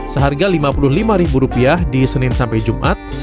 seharga lima puluh lima rupiah di senin sampai jumat